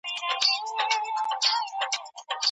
په روژه کي درواغ نه ویل کېږي.